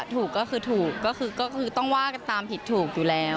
ถูกก็คือถูกก็คือต้องว่ากันตามผิดถูกอยู่แล้ว